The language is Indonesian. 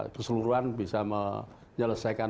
keseluruhan bisa menyelesaikan